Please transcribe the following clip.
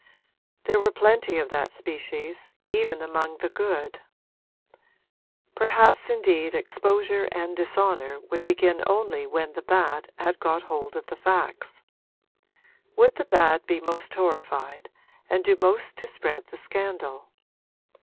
There were plenty of that species, even among the good; perhaps indeed exposure and dishonour would begin only when the bad had got hold of the facts. Would the bad be most horrified and do most to spread the scandal?